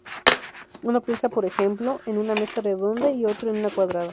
Uno piensa, por ejemplo, en una mesa redonda y otro en una cuadrada.